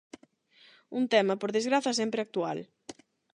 Un tema, por desgraza, sempre actual.